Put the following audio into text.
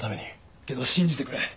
けど信じてくれ。